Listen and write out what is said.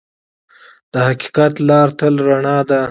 د حقیقت لار تل رڼا ده.